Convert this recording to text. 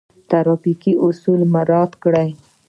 ټرافیکي اصول مراعات کړئ